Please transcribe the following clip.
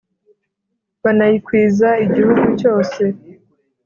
banayikwiza igihugu cyose